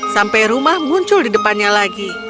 sampai rumah muncul di depannya lagi